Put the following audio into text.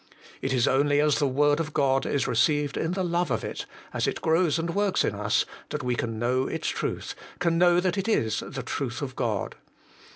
It is only as the word of God is received in the love of it, as it grows and works in us, that we can know its truth, can know that it is the Truth of God.